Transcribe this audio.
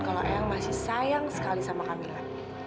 kalau ayang masih sayang sekali sama camilla